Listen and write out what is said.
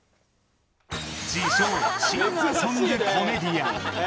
自称、シンガーソングコメディアン。